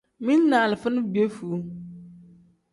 Mili ni alifa ni piyefuu.